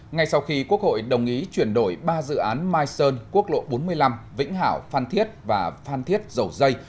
ngay sau khi quốc hội đồng ý chuyển đổi ba dự án mai sơn quốc lộ bốn mươi năm vĩnh hảo phan thiết và phan thiết dầu dây